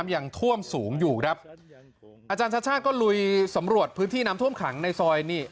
อาจารย์ชัดก็ลุยสำรวจพื้นที่น้ำท่วมขังในซอยนี่